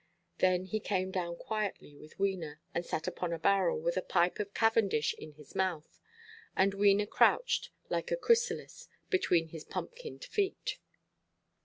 Then he came down quietly with Wena, and sat upon a barrel, with a pipe of Cavendish in his mouth, and Wena crouched, like a chrysalis, between his pumpkinʼd feet.